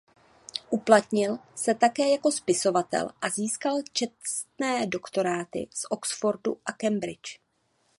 Uplatnil se také jako spisovatel a získal čestné doktoráty v Oxfordu a Cambridge.